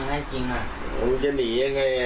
อ๋อเรื่องจริงอะแล้วไอ้คนที่นอนไป